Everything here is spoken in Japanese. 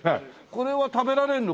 これは食べられるの？